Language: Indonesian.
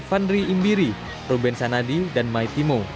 vanri imbiri ruben sanadi dan mai timo